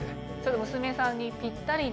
娘さんにぴったりな。